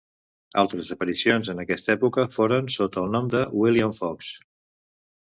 Altres aparicions en aquesta època foren sota el nom de William Fox.